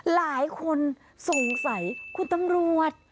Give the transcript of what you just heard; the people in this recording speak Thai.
หลายคนสงสัยคุณตำรวจ